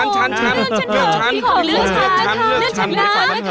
พี่โขเลือกฉันนะ